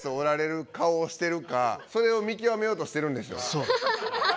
そう。